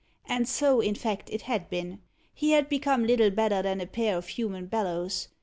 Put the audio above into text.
And so, in fact, it had been. He had become little better than a pair of human bellows.